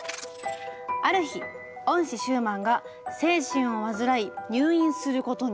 ある日恩師シューマンが精神を患い入院することに。